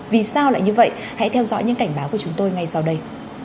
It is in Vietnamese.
vì sao lại như vậy hãy theo dõi những cảnh báo của chúng tôi ngay sau đây